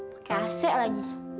pakai ac lagi